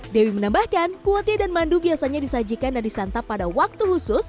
dewi menambahkan kuotie dan mandu biasanya disajikan dan disantap pada waktu khusus